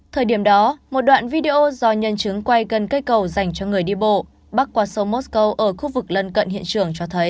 thời điểm đó một đoạn video do nhân chứng quay gần cây cầu dành cho người đi bộ bắc qua sông mosco ở khu vực lân cận hiện trường cho thấy